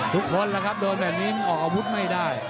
ทุกคนล่ะครับโดนแบบนี้ออกอาวุธไม่ได้